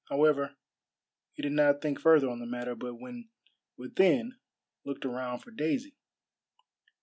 However, he did not think further on the matter, but when within looked around for Daisy.